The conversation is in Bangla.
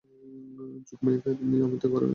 যোগমায়াকে নিয়ে অমিত ঘরে গেল।